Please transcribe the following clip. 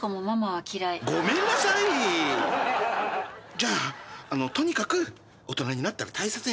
じゃああのうとにかく大人になったら大切にするから。